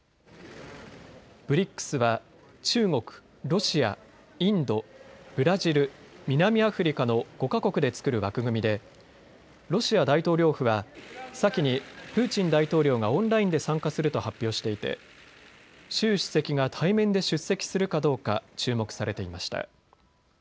ＢＲＩＣＳは中国、ロシア、インド、ブラジル、南アフリカの５か国で作る枠組みでロシア大統領府は先にプーチン大統領がオンラインで参加すると発表していて習主席が対面で出席するかどうか注目されていました。